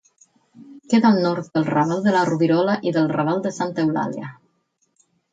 Queda al nord del Raval de la Rovirola i del Raval de Santa Eulàlia.